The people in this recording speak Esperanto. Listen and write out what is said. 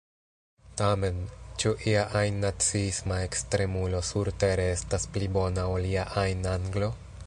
Tamen: ĉu ia ajn naciisma ekstremulo surtere estas pli bona ol ia ajn anglo?